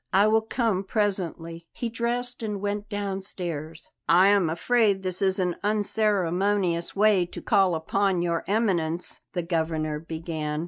I will come presently." He dressed and went downstairs. "I am afraid this is an unceremonious way to call upon Your Eminence," the Governor began.